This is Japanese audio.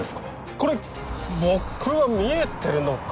これ僕は見えてるのか？